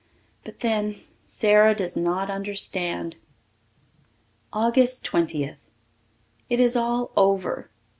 But then, Sara does not understand. August Twentieth. It is all over.